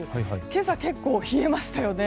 今朝、結構冷えましたよね。